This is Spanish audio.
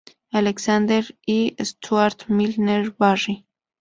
Alexander y Stuart Milner-Barry.